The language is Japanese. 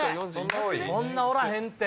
そんなおらへんて。